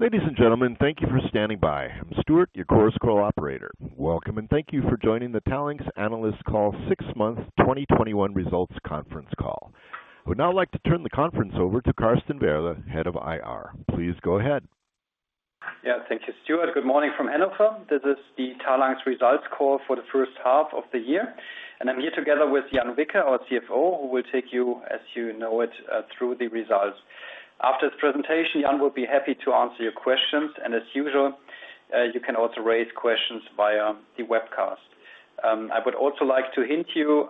Ladies and gentlemen, thank you for standing by. I'm Stuart, your Chorus Call operator. Welcome, and thank you for joining the Talanx Analyst Call Six Month 2021 Results Conference Call. I would now like to turn the conference over to Carsten Werle, Head of IR. Please go ahead. Yeah, thank you, Stuart. Good morning from Hannover. This is the Talanx Results Call for the H1 of the year. I'm here together with Dr. Jan Wicke, our CFO, who will take you, as you know it, through the results. After the presentation, Jan will be happy to answer your questions, and as usual, you can also raise questions via the webcast. I would also like to hint you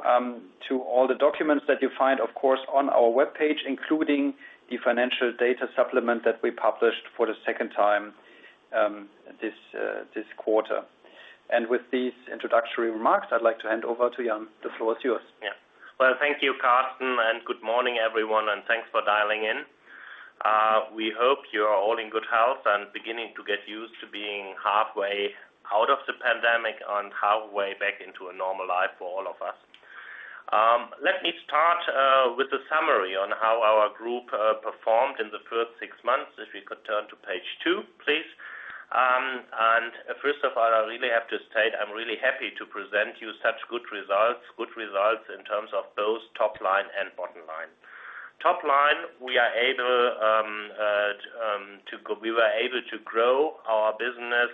to all the documents that you find, of course, on our webpage, including the financial data supplement that we published for the second time this quarter. With these introductory remarks, I'd like to hand over to Jan. The floor is yours. Well, thank you, Carsten, good morning, everyone, thanks for dialing in. We hope you are all in good health and beginning to get used to being halfway out of the pandemic and halfway back into a normal life for all of us. Let me start with a summary on how our group performed in the first six months. If we could turn to page two, please. First of all, I really have to state, I'm really happy to present you such good results, good results in terms of both top line and bottom line. Top line, we were able to grow our business,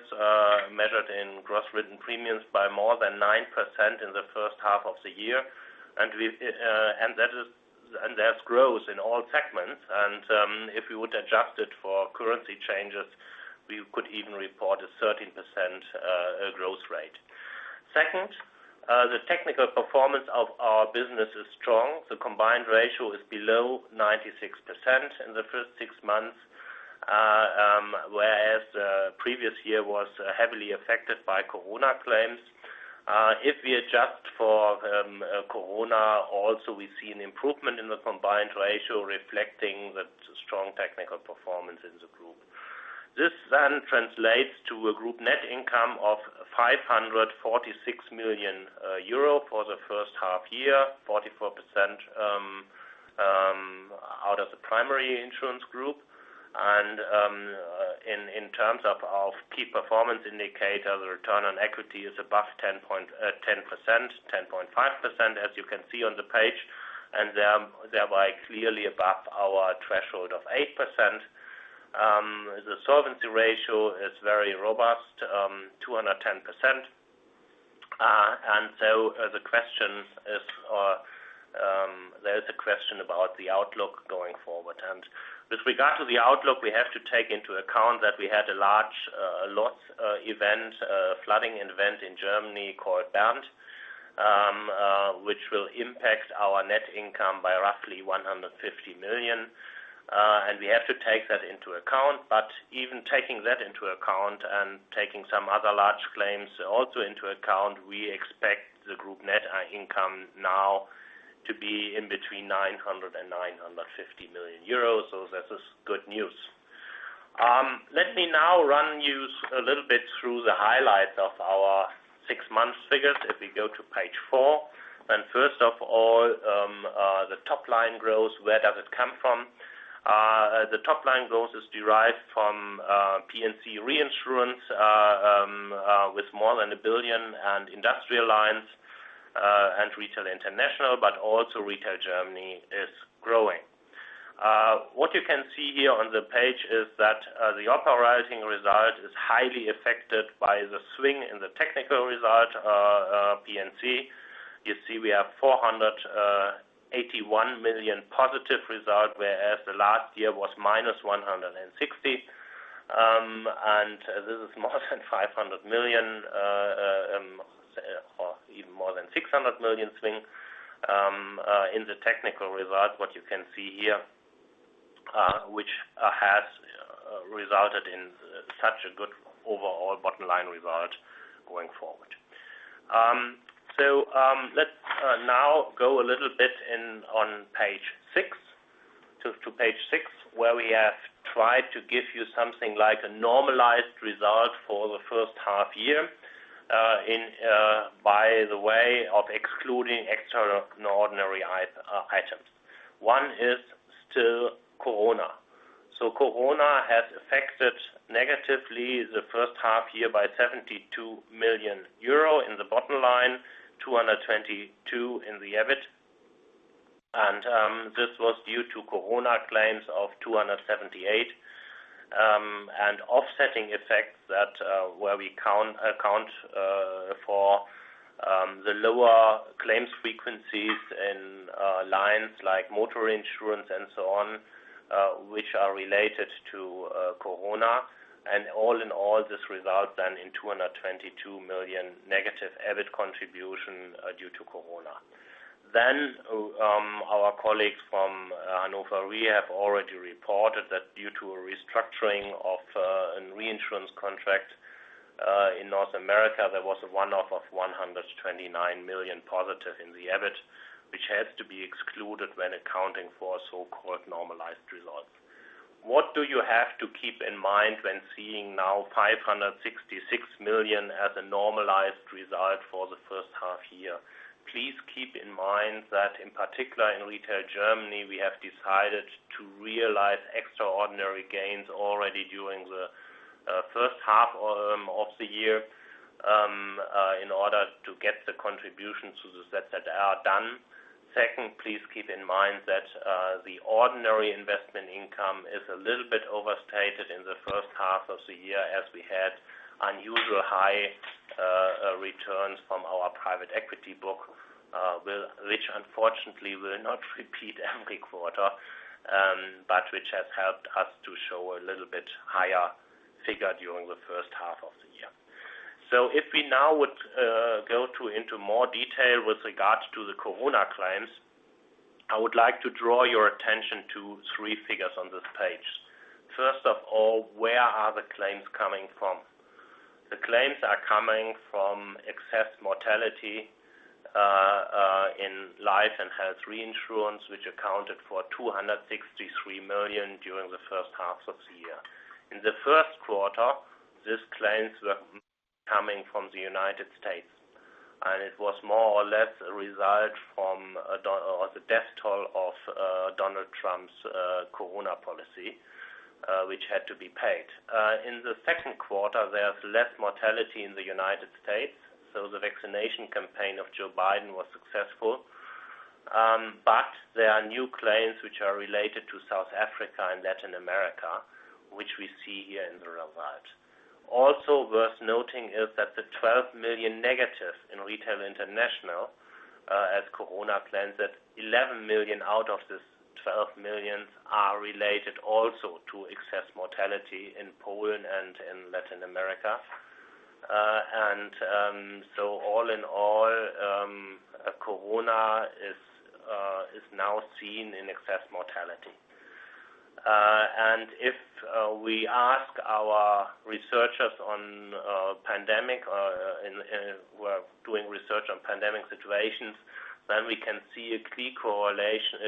measured in gross written premiums, by more than 9% in the H1 of the year. That's growth in all segments. If we would adjust it for currency changes, we could even report a 13% growth rate. The technical performance of our business is strong. The combined ratio is below 96% in the first six months, whereas the previous year was heavily affected by COVID claims. If we adjust for COVID, also we see an improvement in the combined ratio reflecting the strong technical performance in the group. This translates to a group net income of 546 million euro for the H1 year, 44% out of the primary insurance group. In terms of our key performance indicator, the return on equity is above 10.5%, as you can see on the page, and thereby clearly above our threshold of 8%. The solvency ratio is very robust, 210%. There is a question about the outlook going forward. With regard to the outlook, we have to take into account that we had a large loss event, a flooding event in Germany called Bernd, which will impact our net income by roughly 150 million. We have to take that into account, but even taking that into account and taking some other large claims also into account, we expect the group net income now to be in between 900 million-950 million euros. That is good news. Let me now run you a little bit through the highlights of our six months figures. If we go to page four. First of all, the top line growth, where does it come from? The top line growth is derived from P&C reinsurance with more than 1 billion and industrial lines and Retail International, but also Retail Germany is growing. What you can see here on the page is that the operating result is highly affected by the swing in the technical result, P&C. You see we have 481 million positive result, whereas the last year was -160. This is more than 500 million, or even more than 600 million swing in the technical result, what you can see here, which has resulted in such a good overall bottom line result going forward. Let's now go a little bit to page six, where we have tried to give you something like a normalized result for the H1 year by the way of excluding extraordinary items. One is still COVID. COVID has affected negatively the H1 year by 72 million euro in the bottom line, 222 in the EBIT. This was due to COVID claims of 278 and offsetting effects where we account for the lower claims frequencies in lines like motor insurance and so on, which are related to COVID. All in all, this results then in 222 million negative EBIT contribution due to COVID. Our colleagues from Hannover Re have already reported that due to a restructuring of a reinsurance contract in North America, there was a one-off of 129 million positive in the EBIT, which has to be excluded when accounting for so-called normalized results. What do you have to keep in mind when seeing now 566 million as a normalized result for the H1 year? Please keep in mind that in particular in Retail Germany, we have decided to realize extraordinary gains already during the H1 of the year in order to get the contributions to the ZZR that are done. Please keep in mind that the ordinary investment income is a little bit overstated in the H1 of the year, as we had unusual high returns from our private equity book, which unfortunately will not repeat every quarter, but which has helped us to show a little bit higher figure during the H1 of the year. If we now would go into more detail with regards to the COVID claims, I would like to draw your attention to three figures on this page. First of all, where are the claims coming from? The claims are coming from excess mortality in life and health reinsurance, which accounted for 263 million during the H1 of the year. In the Q1, these claims were coming from the U.S., it was more or less a result from the death toll of Donald Trump's COVID policy, which had to be paid. In the Q2, there's less mortality in the U.S., the vaccination campaign of Joe Biden was successful. There are new claims which are related to South Africa and Latin America, which we see here in the result. Also worth noting is that the 12 million negative in Retail International as COVID claims, that 11 million out of this 12 million are related also to excess mortality in Poland and in Latin America. All in all, COVID is now seen in excess mortality. If we ask our researchers who are doing research on pandemic situations, we can see a clear correlation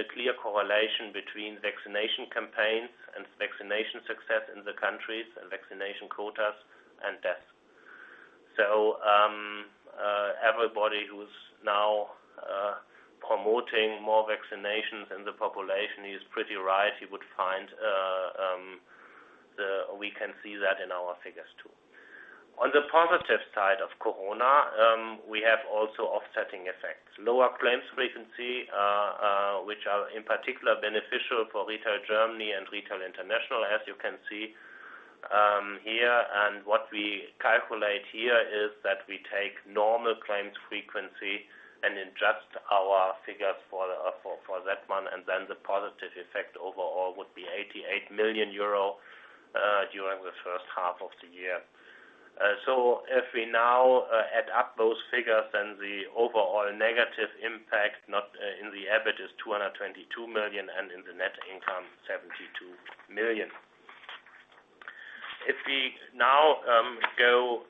between vaccination campaigns and vaccination success in the countries, and vaccination quotas and deaths. Everybody who's now promoting more vaccinations in the population is pretty right. We can see that in our figures, too. On the positive side of COVID, we have also offsetting effects. Lower claims frequency, which are in particular beneficial for Retail Germany and Retail International, as you can see here. What we calculate here is that we take normal claims frequency and adjust our figures for that one, the positive effect overall would be 88 million euro during the H1 of the year. If we now add up those figures, the overall negative impact, not in the EBITDA, is 222 million, and in the net income, 72 million. If we now go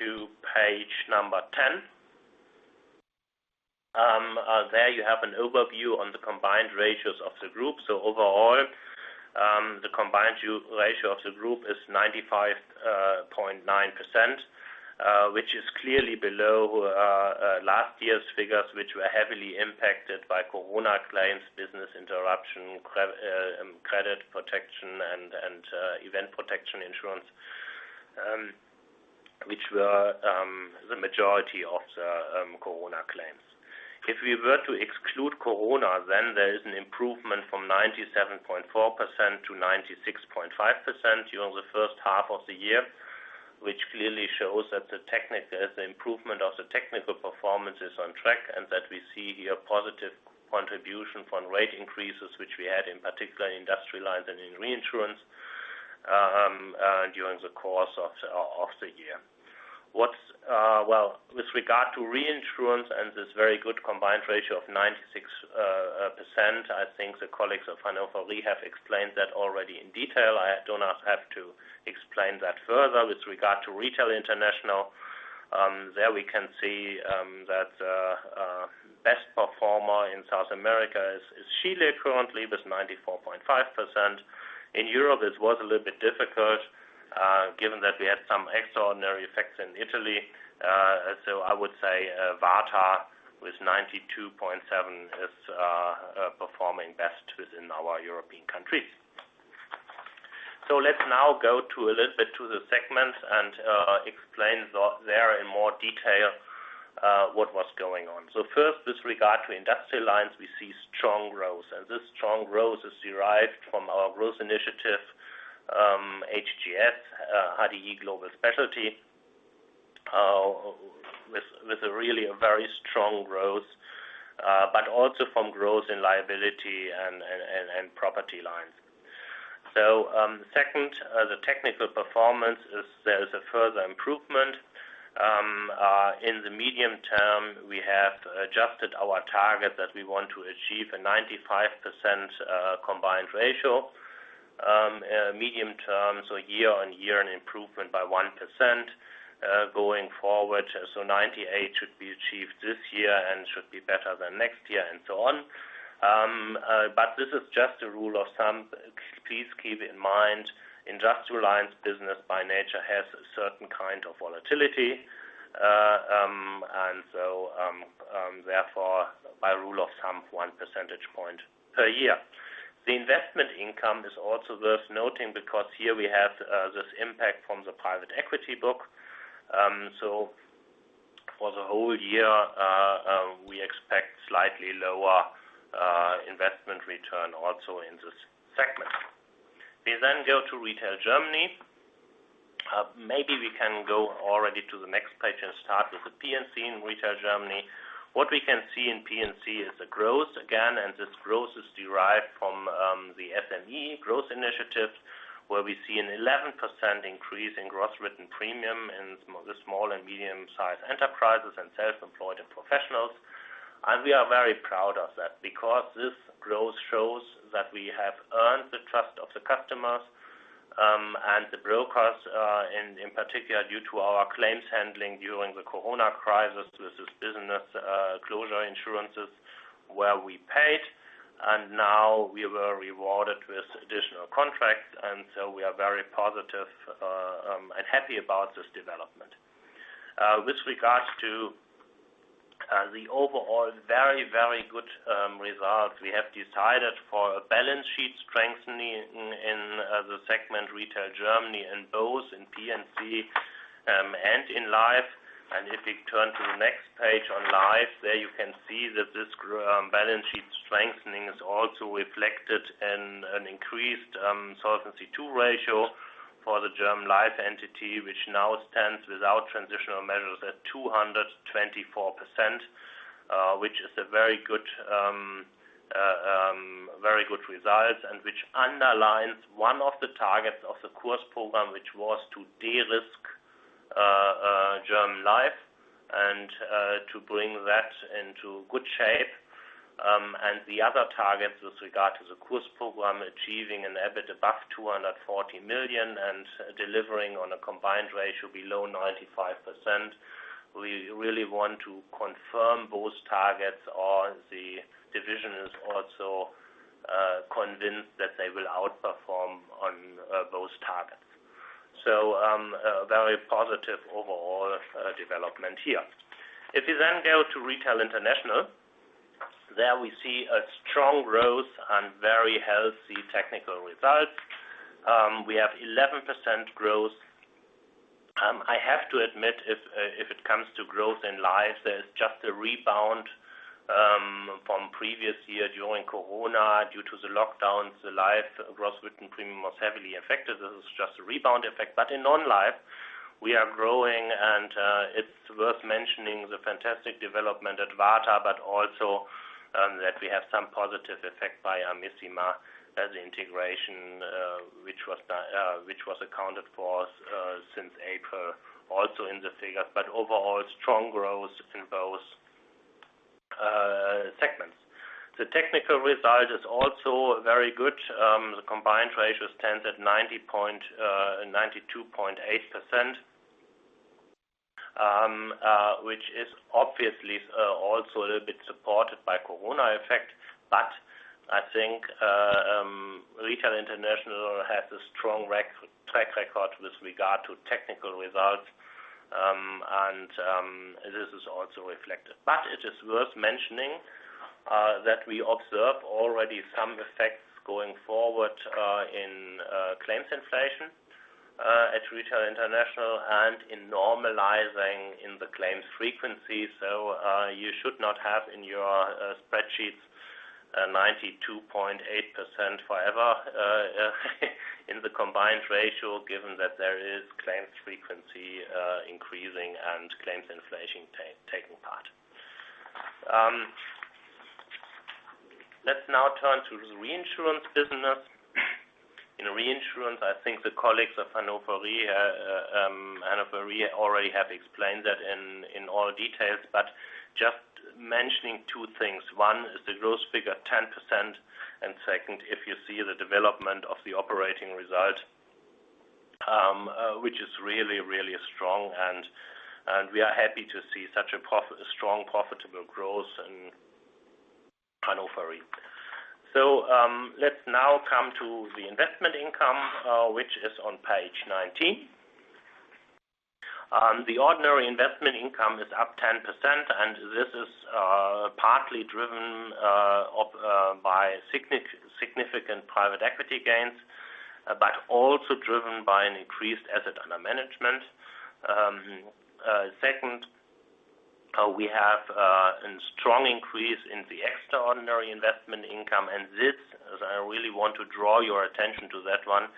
to page number 10. There you have an overview on the combined ratios of the group. Overall, the combined ratio of the group is 95.9%, which is clearly below last year's figures, which were heavily impacted by COVID claims, business interruption, credit protection, and event protection insurance, which were the majority of the COVID claims. If we were to exclude COVID, then there is an improvement from 97.4%-96.5% during the H1 of the year, which clearly shows that the improvement of the technical performance is on track and that we see here positive contribution from rate increases, which we had in particular in industrial lines and in reinsurance during the course of the year. With regard to reinsurance and this very good combined ratio of 96%, I think the colleagues of Hannover Re have explained that already in detail. I do not have to explain that further. With regard to Retail International, there we can see that best performer in South America is Chile currently, with 94.5%. In Europe, it was a little bit difficult, given that we had some extraordinary effects in Italy. I would say WARTA with 92.7% is performing best within our European countries. Let's now go a little bit to the segment and explain there in more detail what was going on. First, with regard to Industrial Lines, we see strong growth. This strong growth is derived from our growth initiative, HGS, HDI Global Specialty, with a really very strong growth, but also from growth in liability and property lines. Second, the technical performance is there is a further improvement. In the medium term, we have adjusted our target that we want to achieve a 95% combined ratio. Medium term, year-over-year, an improvement by 1% going forward. 98% should be achieved this year and should be better than next year and so on. This is just a rule of thumb. Please keep in mind, industrial lines business by nature has a certain kind of volatility. Therefore, by rule of thumb, 1 percentage point per year. The investment income is also worth noting because here we have this impact from the private equity book. For the whole year, we expect slightly lower investment return also in this segment. We go to Retail Germany. Maybe we can go already to the next page and start with the P&C in Retail Germany. What we can see in P&C is the growth again, and this growth is derived from the SME growth initiatives, where we see an 11% increase in gross written premium in the small and medium-sized enterprises and self-employed and professionals. We are very proud of that because this growth shows that we have earned the trust of the customers and the brokers, in particular, due to our claims handling during the COVID crisis with these business closure insurances where we paid, and now we were rewarded with additional contracts. We are very positive and happy about this development. With regards to the overall very good results, we have decided for a balance sheet strengthening in the segment Retail Germany in both in P&C and in life. If we turn to the next page on life, there you can see that this balance sheet strengthening is also reflected in an increased Solvency II ratio for the German Life entity, which now stands without transitional measures at 224%, which is a very good result, and which underlines one of the targets of the Kurs programme, which was to de-risk German Life and to bring that into good shape. The other targets with regard to the Kurs programme, achieving an EBITDA above 240 million and delivering on a combined ratio below 95%. We really want to confirm those targets, or the division is also convinced that they will outperform on those targets. A very positive overall development here. If we go to Retail International, there we see a strong growth and very healthy technical results. We have 11% growth. I have to admit, if it comes to growth in life, there is just a rebound from previous year during COVID, due to the lockdowns, the life gross written premium was heavily affected. This is just a rebound effect. In non-life, we are growing and it's worth mentioning the fantastic development at WARTA, also that we have some positive effect by Amissima as integration, which was accounted for since April, also in the figures. Overall, strong growth in both segments. The technical result is also very good. The combined ratio stands at 92.8%, which is obviously also a little bit supported by COVID effect. I think Retail International has a strong track record with regard to technical results, and this is also reflected. It is worth mentioning that we observe already some effects going forward in claims inflation at Retail International and in normalizing in the claims frequency. You should not have in your spreadsheets 92.8% forever in the combined ratio, given that there is claims frequency increasing and claims inflation taking part. Let's now turn to the reinsurance business. In reinsurance, I think the colleagues of Hannover Re already have explained that in all details, but just mentioning two things. One is the gross figure, 10%. Second, if you see the development of the operating result, which is really strong, and we are happy to see such a strong profitable growth in Hannover Re. Let's now come to the investment income, which is on page 19. The ordinary investment income is up 10%. This is partly driven by significant private equity gains, but also driven by an increased asset under management. Second, we have a strong increase in the extraordinary investment income. This, I really want to draw your attention to that one.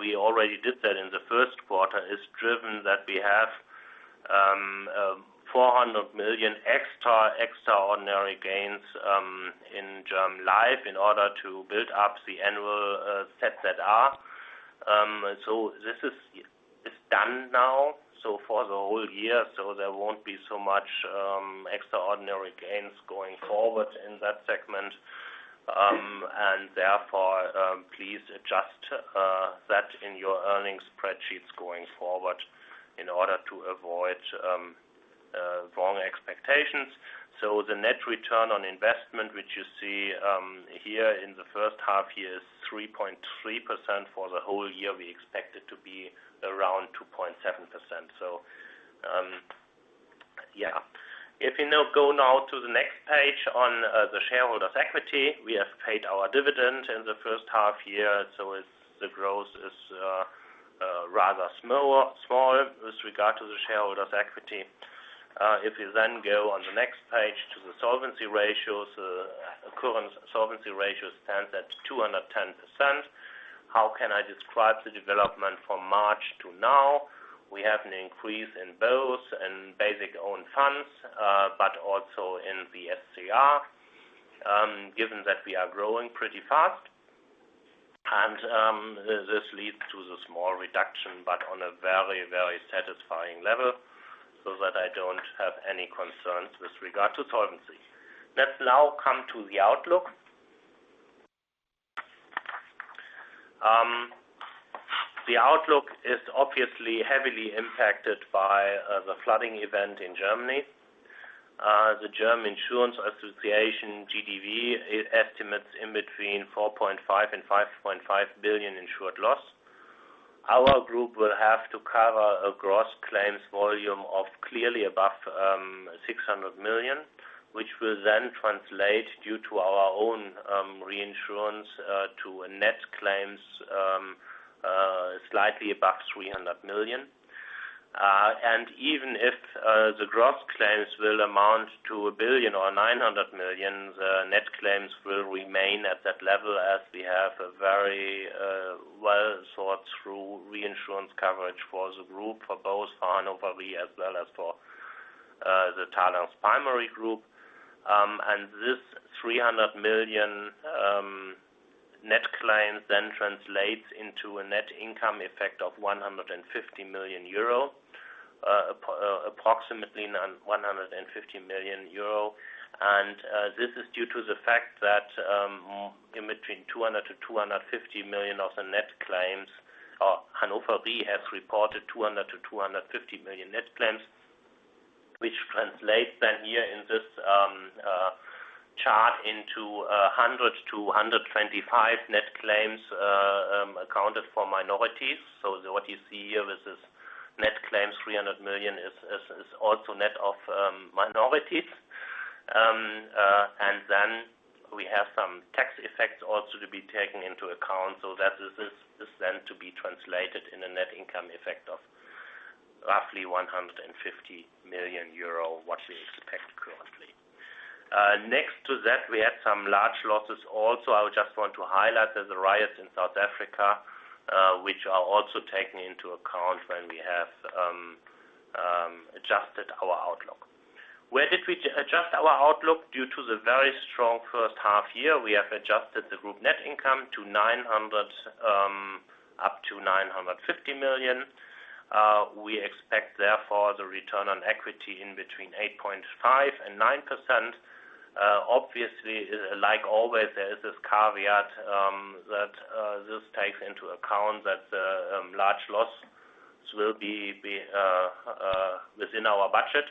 We already did that in the Q1, is driven that we have 400 million extra extraordinary gains in German Life in order to build up the annual ZZR. This is done now for the whole year, there won't be so much extraordinary gains going forward in that segment. Therefore, please adjust that in your earnings spreadsheets going forward in order to avoid wrong expectations. The net return on investment, which you see here in the H1 year, is 3.3%. For the whole year, we expect it to be around 2.7%. If you now go now to the next page on the shareholders' equity. We have paid our dividend in the H1 year, the growth is rather small with regard to the shareholders' equity. If you then go on the next page to the solvency ratios. Current solvency ratio stands at 210%. How can I describe the development from March to now? We have an increase in both, in basic own funds, but also in the SCR, given that we are growing pretty fast. This leads to the small reduction, but on a very satisfying level, so that I don't have any concerns with regard to solvency. Let's now come to the outlook. The outlook is obviously heavily impacted by the flooding event in Germany. The German Insurance Association, GDV, estimates in between 4.5 billion and 5.5 billion in insured loss. Our group will have to cover a gross claims volume of clearly above 600 million, which will then translate, due to our own reinsurance, to a net claims slightly above 300 million. Even if the gross claims will amount to 1 billion or 900 million, the net claims will remain at that level as we have a very well-thought-through reinsurance coverage for the group for both Hannover Re as well as for the Talanx Primary group. This 300 million net claims then translates into a net income effect of 150 million euro, approximately 150 million euro. This is due to the fact that in between 200 million-250 million of the net claims, or Hannover Re has reported 200 million-250 million net claims, which translates then here in this chart into 100 million-125 million net claims accounted for minorities. What you see here with this net claims 300 million is also net of minorities. We have some tax effects also to be taken into account. That is then to be translated in a net income effect of roughly 150 million euro, what we expect currently. Next to that, we had some large losses also. I just want to highlight there's a riot in South Africa, which are also taken into account when we have adjusted our outlook. Where did we adjust our outlook? Due to the very strong H1-year, we have adjusted the group net income to 900 million-950 million. We expect, therefore, the return on equity in between 8.5% and 9%. Obviously, like always, there is this caveat that this takes into account that large losses will be within our budget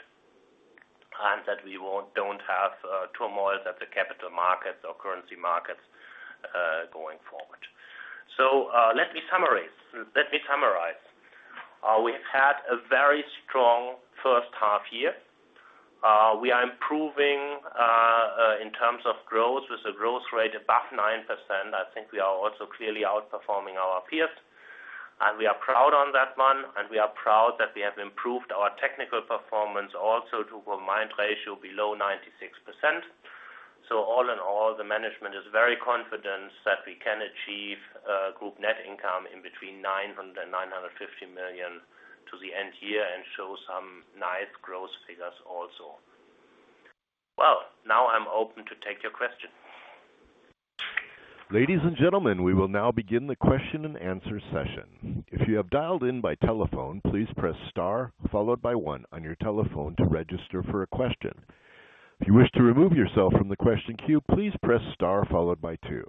and that we don't have turmoil at the capital markets or currency markets, going forward. Let me summarize. We've had a very strong H1 year. We are improving, in terms of growth, with a growth rate above 9%. I think we are also clearly outperforming our peers, and we are proud on that one, and we are proud that we have improved our technical performance also to combined ratio below 96%. All in all, the management is very confident that we can achieve group net income in between 900 million-950 million to the end year and show some nice growth figures also. Well, now I'm open to take your question. Ladies and gentlemen, we will now begin the question and answer session. If you have dialed in by telephone, please press star followed by one on your telephone to register for a question. If you wish to remove yourself from the question queue, please press star followed by two.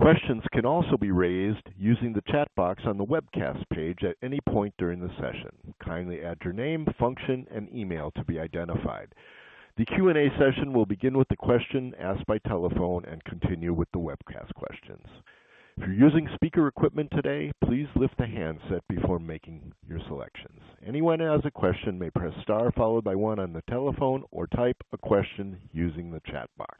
Questions can also be raised using the chat box on the webcast page at any point during the session. Kindly add your name, function, and email to be identified. The Q&A session will begin with the question asked by telephone and continue with the webcast questions. If you're using speaker equipment today, please lift the handset before making your selections. Anyone who has a question may press star followed by one on the telephone or type a question using the chat box.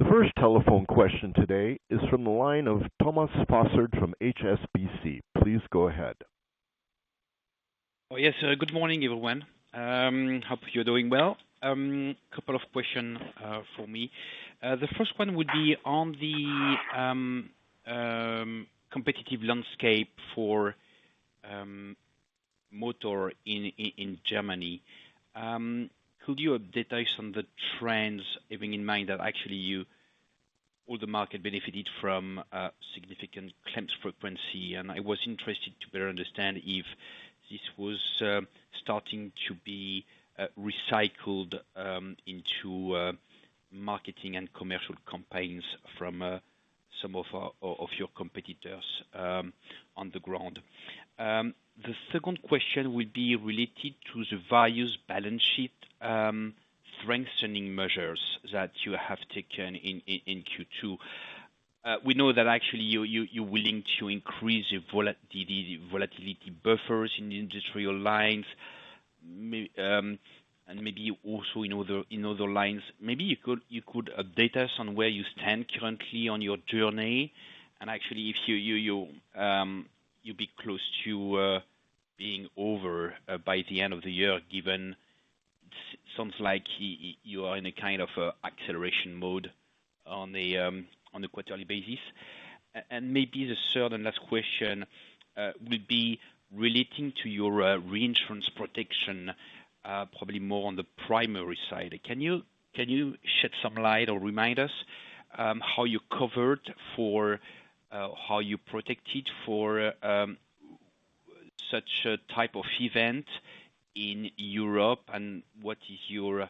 The first telephone question today is from the line of Thomas Fossard from HSBC. Please go ahead. Oh, yes. Good morning, everyone. Hope you're doing well. Couple of questions for me. The first one would be on the competitive landscape for motor in Germany. Could you update us on the trends, keeping in mind that actually all the market benefited from a significant claims frequency, and I was interested to better understand if this was starting to be recycled into marketing and commercial campaigns from some of your competitors on the ground. The second question would be related to the various balance sheet strengthening measures that you have taken in Q2. We know that actually you're willing to increase your volatility buffers in the industrial lines, and maybe also in other lines. Maybe you could update us on where you stand currently on your journey. Actually, if you'd be close to being over by the end of the year, given it sounds like you are in a kind of acceleration mode on a quarterly basis. Maybe the third and last question would be relating to your reinsurance protection, probably more on the primary side. Can you shed some light or remind us how you protected for such a type of event in Europe, and what is your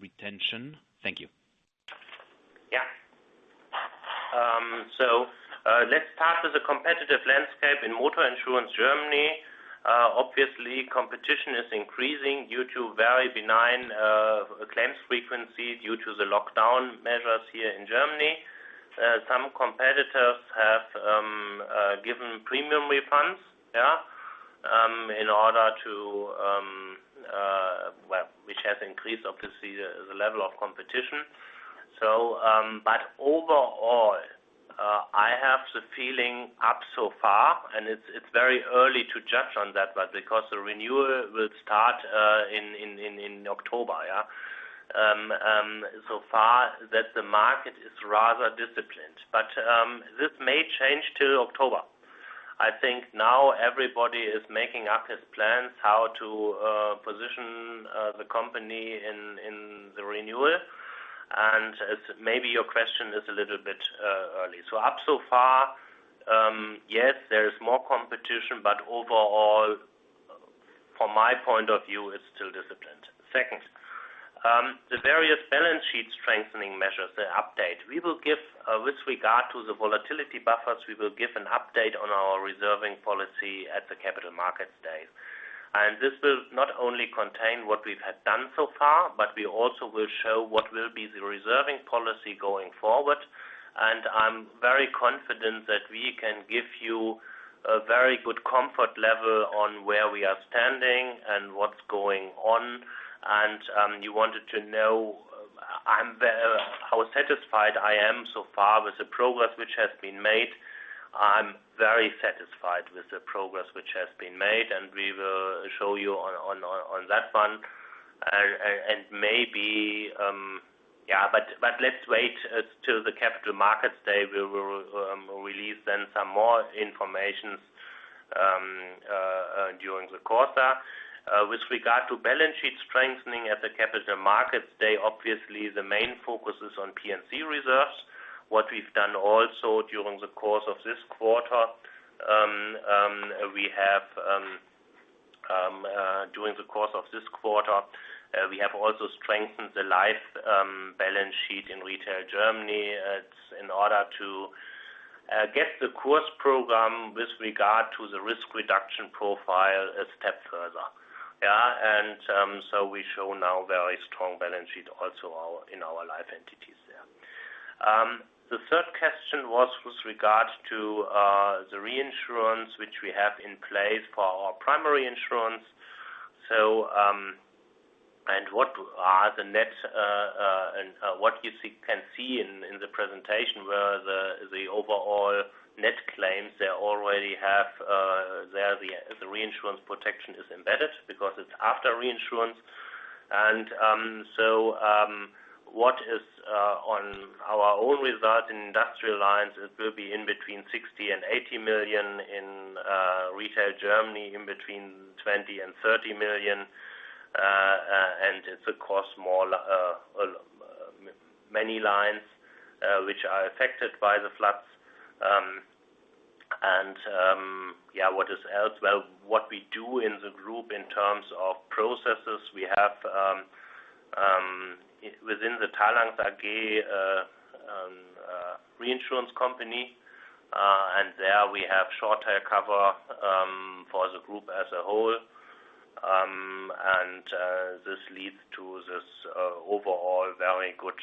retention? Thank you. Yeah. Let's start with the competitive landscape in motor insurance, Germany. Obviously, competition is increasing due to very benign claims frequency due to the lockdown measures here in Germany. Some competitors have given premium refunds. Yeah. Which has increased, obviously, the level of competition. Overall, I have the feeling up so far, and it's very early to judge on that, but because the renewal will start in October, yeah. So far that the market is rather disciplined. This may change till October. I think now everybody is making up his plans how to position the company in the renewal, and maybe your question is a little bit early. Up so far, yes, there is more competition, but overall, from my point of view, it's still disciplined. Second, the various balance sheet strengthening measures, the update. With regard to the volatility buffers, we will give an update on our reserving policy at the Capital Markets Day. This will not only contain what we have done so far, but we also will show what will be the reserving policy going forward. I'm very confident that we can give you a very good comfort level on where we are standing and what's going on. You wanted to know how satisfied I am so far with the progress which has been made. I'm very satisfied with the progress which has been made, and we will show you on that one. Let's wait till the Capital Markets Day. We will release then some more information during the quarter. With regard to balance sheet strengthening at the Capital Markets Day, obviously, the main focus is on P&C reserves. What we've done also during the course of this quarter, we have also strengthened the life balance sheet in Retail Germany. It is in order to get the Kurs programme with regard to the risk reduction profile a step further. We show now very strong balance sheet also in our life entities there. The third question was with regard to the reinsurance, which we have in place for our primary insurance. What you can see in the presentation were the overall net claims. There, the reinsurance protection is embedded because it is after reinsurance. What is on our own result in industrial lines, it will be in between 60 million-80 million in Retail Germany, in between 20 million-30 million, and it is across many lines, which are affected by the floods. What else? Well, what we do in the group in terms of processes, we have within the Talanx AG, reinsurance company. There we have shorter cover for the group as a whole. This leads to this overall very good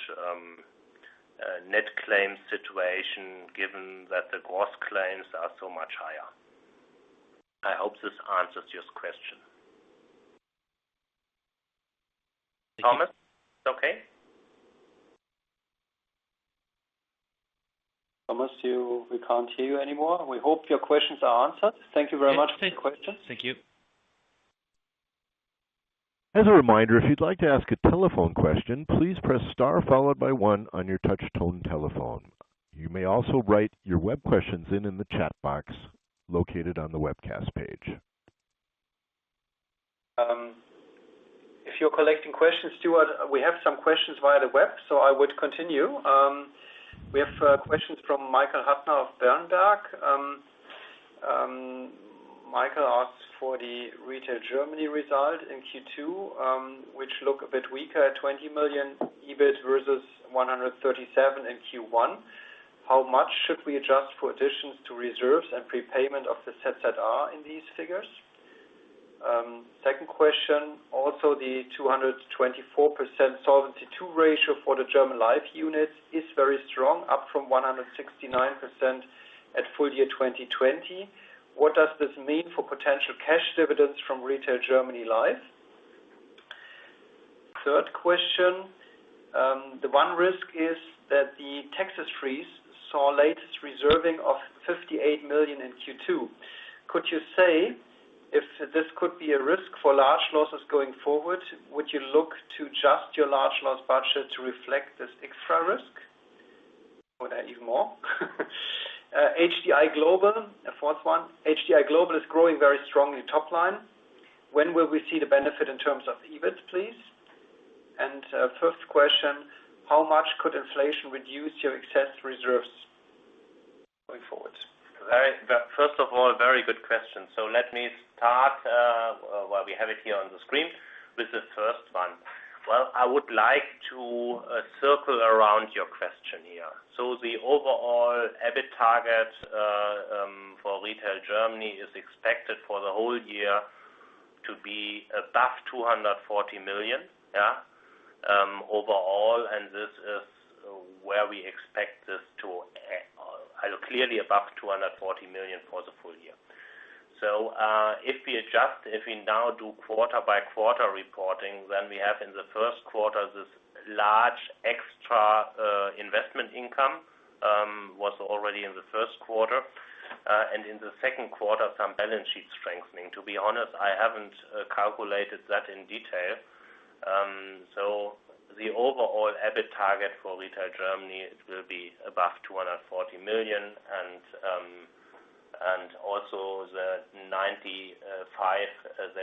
net claims situation, given that the gross claims are so much higher. I hope this answers your question. Thomas, it's okay? Thomas, we can't hear you anymore. We hope your questions are answered. Thank you very much for your questions. Yeah. Thank you. As a reminder, if you'd like to ask a telephone question, please press star followed by one on your touch tone telephone. You may also write your web questions in the chat box located on the webcast page. If you're collecting questions, Stuart, we have some questions via the web, so I would continue. We have questions from Michael Huttner of Berenberg. Michael asks for the Retail Germany result in Q2, which look a bit weaker at 20 million EBIT versus 137 in Q1. How much should we adjust for additions to reserves and prepayment of the ZZR in these figures? Second question. Also the 224% Solvency II ratio for the German Life unit is very strong, up from 169% at full year 2020. What does this mean for potential cash dividends from Retail Germany Life? Third question. The one risk is that the Texas freeze saw latest reserving of 58 million in Q2. Could you say if this could be a risk for large losses going forward? Would you look to adjust your large loss budget to reflect this extra risk? Even more. A fourth one, HDI Global is growing very strongly top line. When will we see the benefit in terms of EBIT, please? Fifth question, how much could inflation reduce your excess reserves going forward? First of all, very good questions. Let me start, while we have it here on the screen, with the first one. Well, I would like to circle around your question here. The overall EBIT target for Retail Germany is expected for the whole year to be above 240 million. Overall, this is where we expect this to end. Clearly above 240 million for the full year. If we now do quarter-by-quarter reporting, we have in the Q1, this large extra investment income was already in the Q1. In the Q2, some balance sheet strengthening. To be honest, I haven't calculated that in detail. The overall EBIT target for Retail Germany, it will be above 240 million, and also there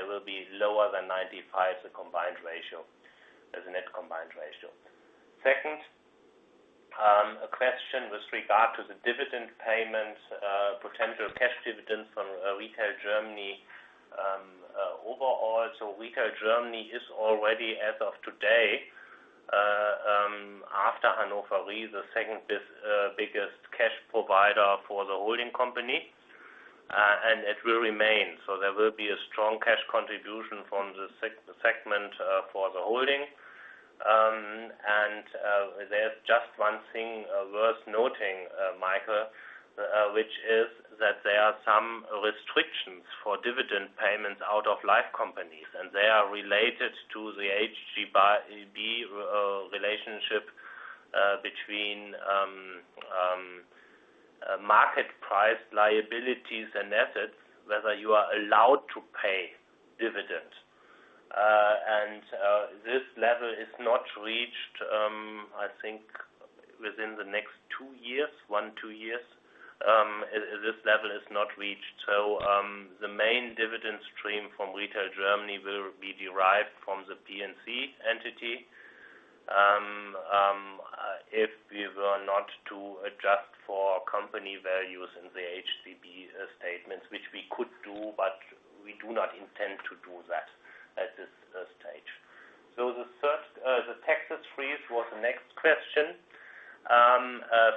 will be lower than 95% as a net combined ratio. A question with regard to the dividend payment, potential cash dividend from Retail Germany. Retail Germany is already, as of today after Hannover Re, the second-biggest cash provider for the holding company. It will remain, there will be a strong cash contribution from the segment for the holding. There's just one thing worth noting, Michael, which is that there are some restrictions for dividend payments out of life companies, and they are related to the HGB relationship between market price liabilities and assets, whether you are allowed to pay dividends. This level is not reached I think within the next one, two years. This level is not reached. The main dividend stream from Retail Germany will be derived from the P&C entity. If we were not to adjust for company values in the HGB statements, which we could do, but we do not intend to do that at this stage. The Texas Freeze was the next question.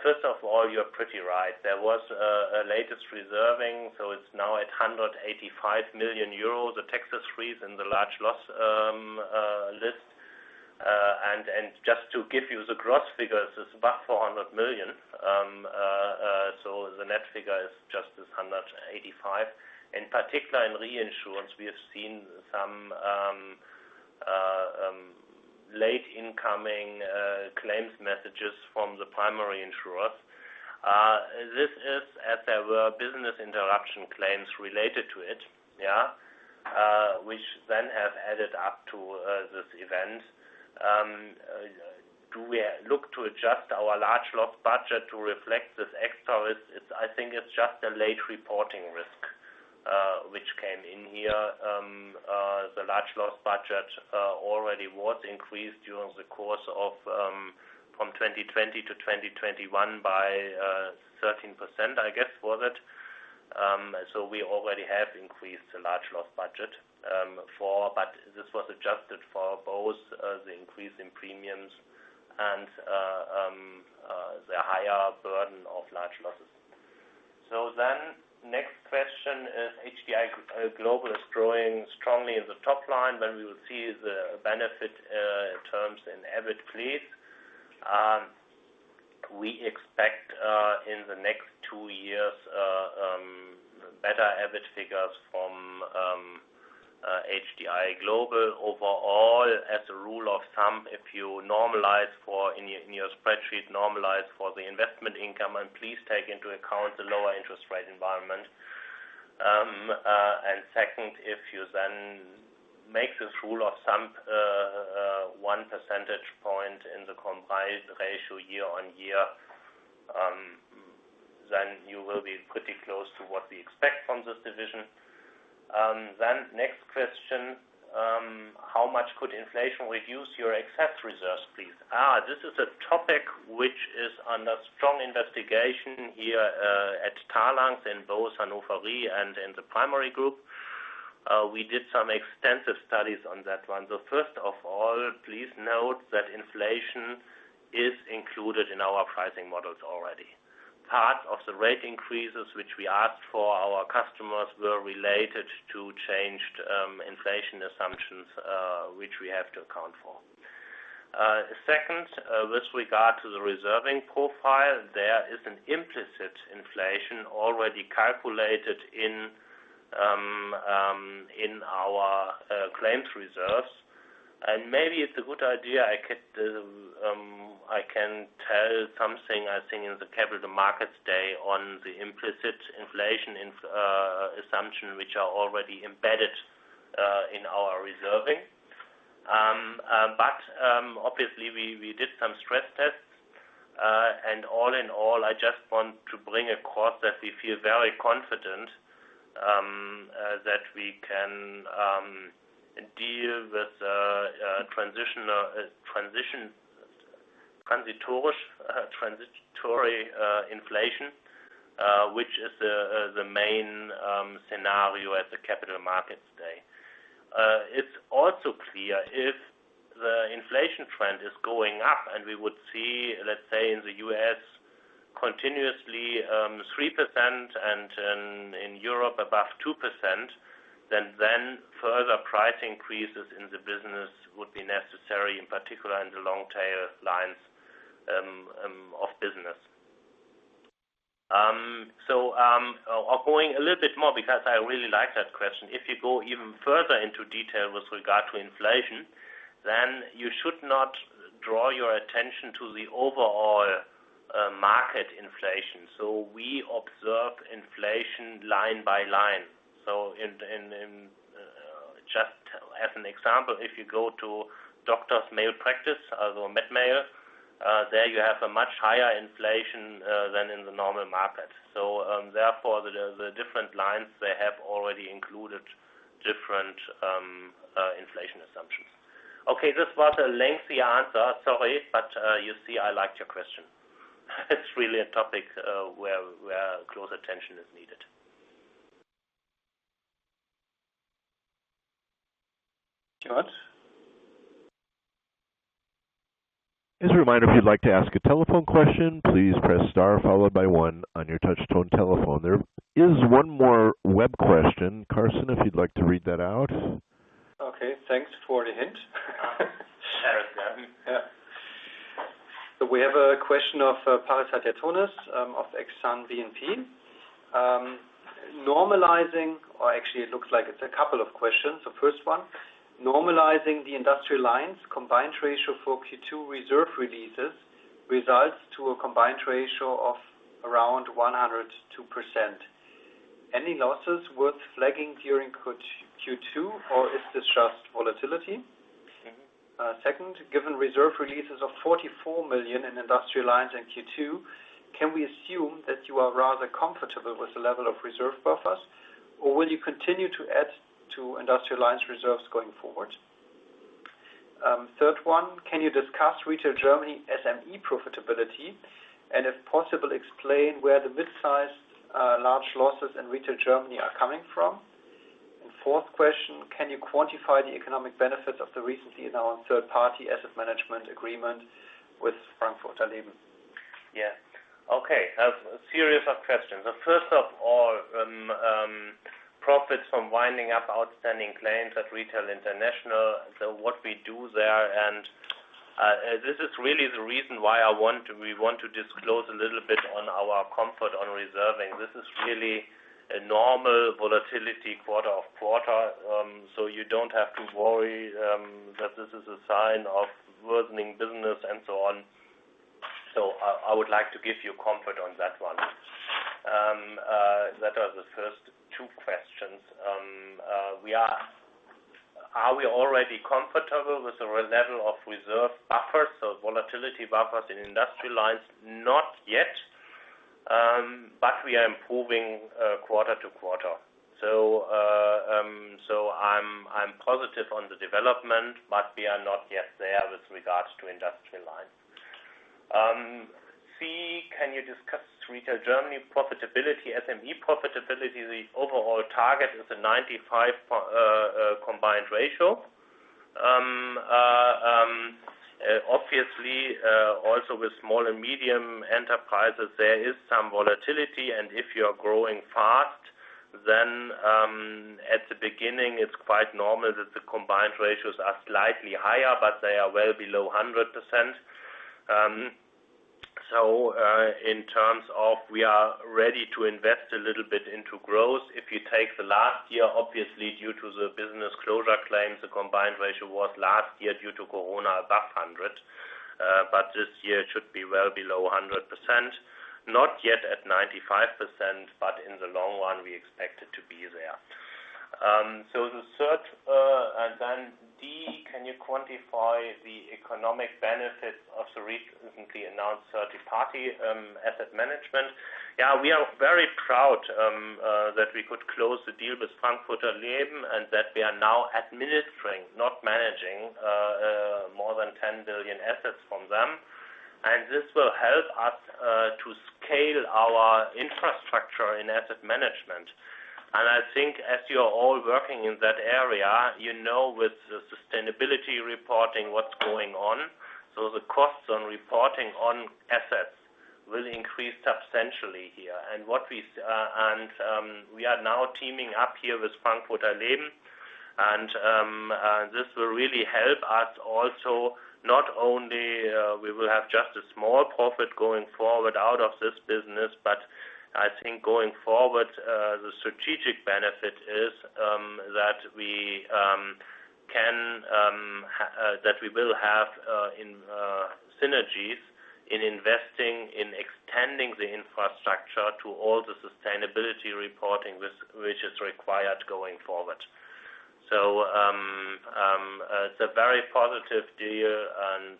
First of all, you're pretty right. There was a latest reserving, it's now at 185 million euros, the Texas Freeze in the large loss list. Just to give you the gross figures, it's above 400 million. The net figure is just this 185. In particular, in reinsurance, we have seen some late incoming claims messages from the primary insurers. This is as there were business interruption claims related to it, which then have added up to this event. Do we look to adjust our large loss budget to reflect this extra risk? I think it's just a late reporting risk, which came in here. The large loss budget already was increased during the course from 2020-2021 by 13%, I guess, for that. We already have increased the large loss budget. This was adjusted for both the increase in premiums and the higher burden of large losses. Next question is HDI Global is growing strongly in the top line. When we will see the benefit terms in EBIT, please? We expect in the next two years better EBIT figures from HDI Global. Overall, as a rule of thumb, if you in your spreadsheet normalize for the investment income and please take into account the lower interest rate environment. Second, if you then make this rule of thumb one percentage point in the combined ratio year-on-year, then you will be pretty close to what we expect from this division. Next question, how much could inflation reduce your excess reserves, please? This is a topic which is under strong investigation here at Talanx in both Hannover Re and in the primary group. We did some extensive studies on that one. First of all, please note that inflation is included in our pricing models already. Part of the rate increases, which we asked for our customers, were related to changed inflation assumptions, which we have to account for. Second, with regard to the reserving profile, there is an implicit inflation already calculated in our claims reserves. Maybe it's a good idea, I can tell something, I think, in the Capital Markets Day on the implicit inflation assumption, which are already embedded in our reserving. Obviously we did some stress tests. All in all, I just want to bring across that we feel very confident that we can deal with transitory inflation, which is the main scenario at the Capital Markets Day. It's also clear if the inflation trend is going up and we would see, let's say, in the U.S. continuously 3% and in Europe above 2%, then further price increases in the business would be necessary, in particular in the long tail lines of business. Going a little bit more, because I really like that question. If you go even further into detail with regard to inflation, then you should not draw your attention to the overall market inflation. We observe inflation line by line. Just as an example, if you go to med mal, there you have a much higher inflation than in the normal market. Therefore, the different lines there have already included different inflation assumptions. This was a lengthy answer. Sorry. You see, I liked your question. It is really a topic where close attention is needed. Got it. There is one more web question. Carsten, if you'd like to read that out. Okay. Thanks for the hint. Sure. Yeah. We have a question of Paris Hadjiantonis of Exane BNP Paribas. Actually, it looks like it's a couple of questions. First one, normalizing the industrial lines combined ratio for Q2 reserve releases results to a combined ratio of around 102%. Any losses worth flagging during Q2, or is this just volatility? Second, given reserve releases of $44 million in industrial lines in Q2, can we assume that you are rather comfortable with the level of reserve buffers, or will you continue to add to industrial lines reserves going forward? Third one, can you discuss Retail Germany SME profitability and, if possible, explain where the midsize large losses in Retail Germany are coming from? Fourth question, can you quantify the economic benefits of the recent deal on third-party asset management agreement with Frankfurter Leben? Yeah. Okay. A series of questions. First of all, profits from winding up outstanding claims at Retail International. What we do there, and this is really the reason why we want to disclose a little bit on our comfort on reserving. This is really a normal volatility quarter of quarter. You don't have to worry that this is a sign of worsening business and so on. I would like to give you comfort on that one. That are the first two questions. Are we already comfortable with the level of reserve buffers or volatility buffers in industrial lines? Not yet. We are improving quarter to quarter. I'm positive on the development, but we are not yet there with regards to industrial lines. C, can you discuss Retail Germany profitability, SME profitability? The overall target is a 95 combined ratio. Obviously, also with small and medium enterprises, there is some volatility, and if you are growing fast, then at the beginning, it is quite normal that the combined ratios are slightly higher, but they are well below 100%. In terms of we are ready to invest a little bit into growth. If you take the last year, obviously, due to the business closure claims, the combined ratio was last year due to COVID above 100%. This year, it should be well below 100%. Not yet at 95%, but in the long run, we expect it to be there. The third, and then D, can you quantify the economic benefits of the recently announced third-party asset management? Yeah, we are very proud that we could close the deal with Frankfurter Leben and that we are now administering, not managing, more than 10 billion assets from them. This will help us to scale our infrastructure in asset management. I think as you're all working in that area, you know with the sustainability reporting what's going on. The costs on reporting on assets will increase substantially here. We are now teaming up here with Frankfurter Leben, and this will really help us also, not only we will have just a small profit going forward out of this business, but I think going forward the strategic benefit is that we will have synergies in investing, in extending the infrastructure to all the sustainability reporting which is required going forward. It's a very positive deal and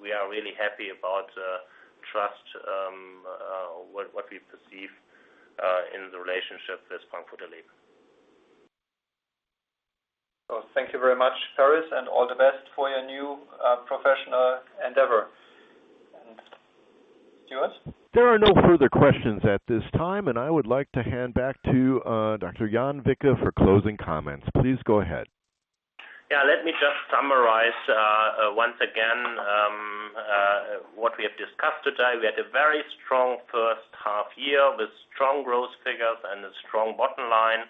we are really happy about the trust, what we perceive in the relationship with Frankfurter Leben. Thank you very much, Paris, and all the best for your new professional endeavor. Stuart? There are no further questions at this time. I would like to hand back to Dr. Jan Wicke for closing comments. Please go ahead. Yeah. Let me just summarize once again what we have discussed today. We had a very strong H1 year with strong growth figures and a strong bottom line.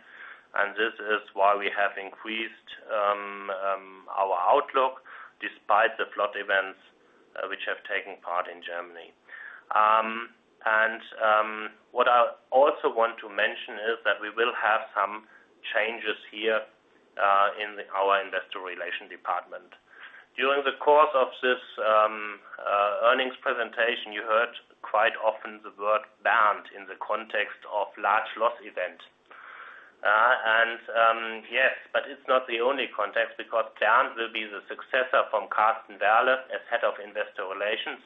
This is why we have increased our outlook despite the flood events which have taken part in Germany. What I also want to mention is that we will have some changes here in our Investor Relations department. During the course of this earnings presentation, you heard quite often the word Bernd in the context of large loss event. Yes, but it is not the only context because Bernd will be the successor from Carsten Werle as Head of Investor Relations.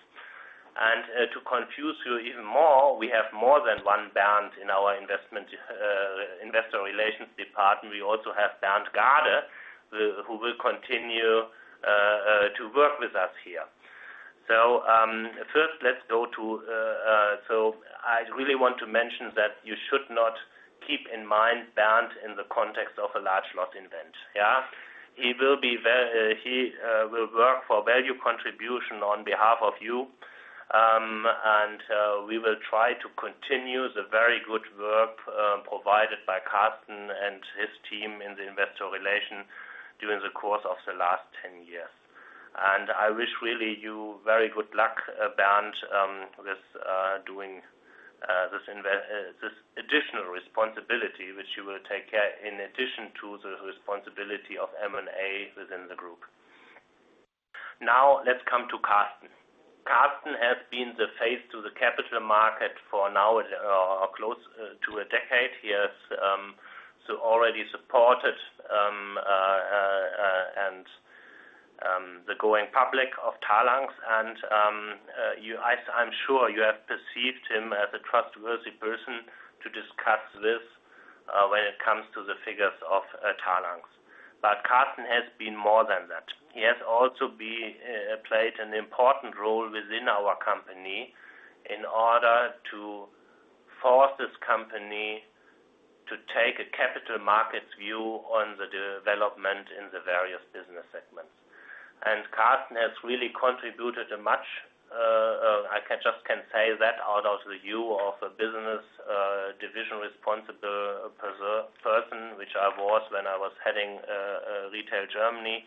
To confuse you even more, we have more than one Bernd in our Investor Relations department. We also have Bernt Gade, who will continue to work with us here. First, I really want to mention that you should not keep in mind Bernd in the context of a large loss event. Yeah. He will work for value contribution on behalf of you. We will try to continue the very good work provided by Carsten and his team in the Investor Relations during the course of the last 10 years. I wish really you very good luck, Bernd, with doing this additional responsibility, which you will take care in addition to the responsibility of M&A within the group. Now, let's come to Carsten. Carsten has been the face to the capital market for now close to a decade. He has already supported the going public of Talanx and I'm sure you have perceived him as a trustworthy person to discuss this, when it comes to the figures of Talanx. Carsten has been more than that. He has also played an important role within our company in order to force this company to take a capital markets view on the development in the various business segments. Carsten has really contributed much. I just can say that out of the view of a business division responsible person, which I was when I was heading Retail Germany.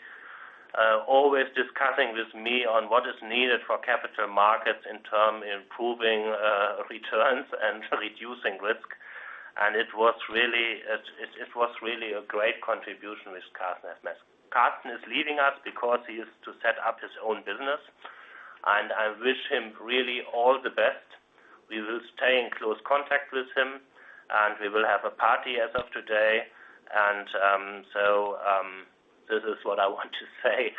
Always discussing with me on what is needed for capital markets in terms improving returns and reducing risk, and it was really a great contribution which Carsten has made. Carsten is leaving us because he is to set up his own business, and I wish him really all the best. We will stay in close contact with him, and we will have a party as of today. This is what I want to say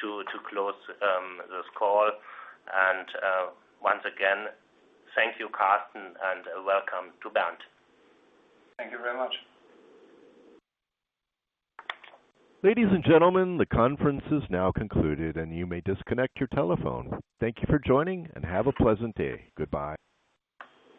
to close this call. Once again, thank you, Carsten, and welcome to Bernd. Thank you very much. Ladies and gentlemen, the conference is now concluded, and you may disconnect your telephone. Thank you for joining, and have a pleasant day. Goodbye.